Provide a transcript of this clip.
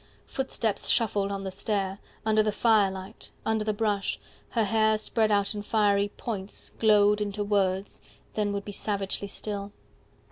Footsteps shuffled on the stair, Under the firelight, under the brush, her hair Spread out in fiery points Glowed into words, then would be savagely still.